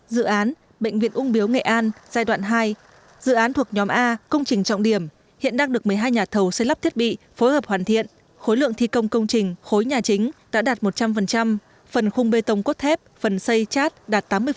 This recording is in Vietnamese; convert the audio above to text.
dự án bệnh viện ung biếu nghệ an giai đoạn hai dự án thuộc nhóm a công trình trọng điểm hiện đang được một mươi hai nhà thầu xây lắp thiết bị phối hợp hoàn thiện khối lượng thi công công trình khối nhà chính đã đạt một trăm linh phần khung bê tông cốt thép phần xây chát đạt tám mươi